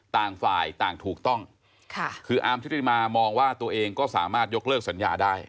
ต่างฝ่ายต่างถูกต้องค่ะคืออาร์มชุติมามองว่าตัวเองก็สามารถยกเลิกสัญญาได้